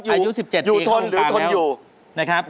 อายุ๑๗ปีเข้าวงการแล้วอยู่ทนหรือทนอยู่